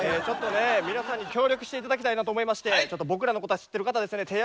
ちょっとね皆さんに協力して頂きたいなと思いましてちょっと僕らのこと知ってる方はですね